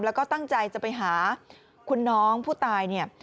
แล้วก็ตั้งใจจะไปหาคุณน้องผู้ตายเนี่ย